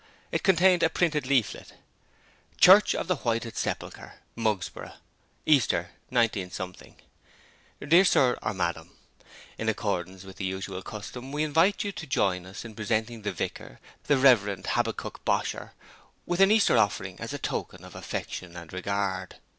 It contained a printed leaflet: CHURCH OF THE WHITED SEPULCHRE, MUGSBOROUGH Easter 19 Dear Sir (or Madam), In accordance with the usual custom we invite you to join with us in presenting the Vicar, the Rev. Habbakuk Bosher, with an Easter Offering, as a token of affection and regard.